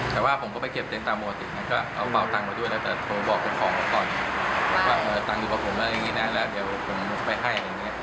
เธอมาถึงบ้านเลยให้รักเจ้าของเขามาคุย